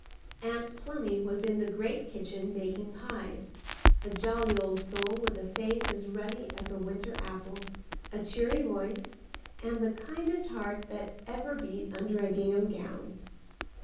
Aunt Plumy was in the great kitchen making pies; a jolly old soul, with a face as ruddy as a winter apple, a cheery voice, and the kindest heart that ever beat under a gingham gown.